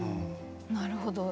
なるほど。